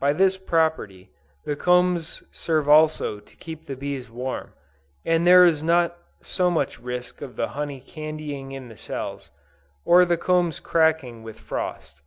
By this property, the combs serve also to keep the bees warm, and there is not so much risk of the honey candying in the cells, or the combs cracking with frost.